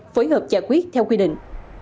phối hợp giải quyết theo quy định